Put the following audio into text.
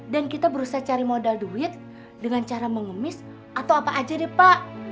dan kita berusaha cari modal duit dengan cara mengemis atau apa aja deh pak